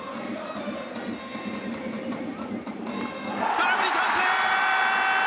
空振り三振！